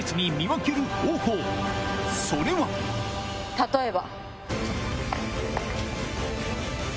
例えば。